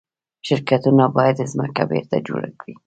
شرکتونه باید ځمکه بیرته جوړه کړي.